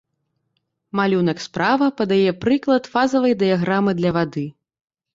Малюнак справа падае прыклад фазавай дыяграмы для вады.